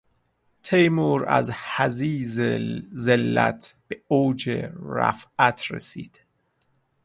تیمور از حضیض ذلت به اوج رفعت رسید.